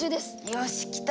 よしきた。